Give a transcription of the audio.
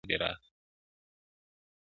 غرق یم- ترق یمه له زړونو، ذوالجلاله ساه دي راکه,